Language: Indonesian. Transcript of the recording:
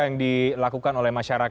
yang dilakukan oleh masyarakat